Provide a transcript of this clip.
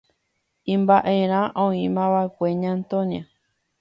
Imba'erã omoĩva'ekue Ña Antonia.